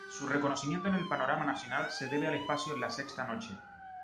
Su reconocimiento en el panorama nacional se debe al espacio "LaSexta Noche".